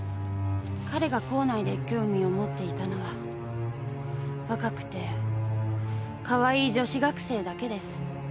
彼が校内で興味を持っていたのは若くてかわいい女子学生だけです。